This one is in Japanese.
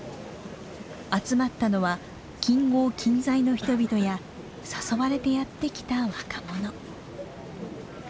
集まったのは近郷近在の人々や誘われてやって来た若者。